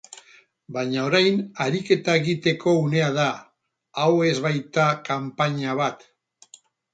Baina orain ariketa egiteko unea da, hau ez baita kanpaina bat.